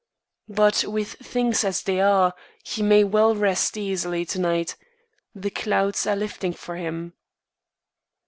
But with things as they are, he may well rest easily to night; the clouds are lifting for him."